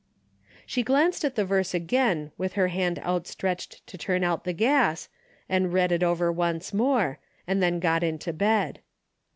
" She glanced at the verse again with her hand outstretched to turn out the gas, and read it over once more, and then got into bed.